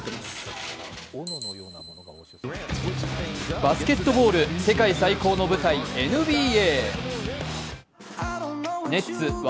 バスケットボール、世界最高の舞台ＮＢＡ。